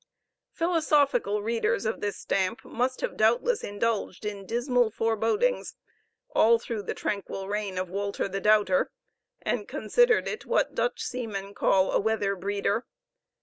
Philosophical readers of this stamp must have doubtless indulged in dismal forebodings all through the tranquil reign of Walter the Doubter, and considered it what Dutch seamen call a weather breeder.